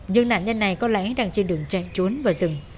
nhưng nạn nhân này có lẽ đang trên đường chạy trốn vào rừng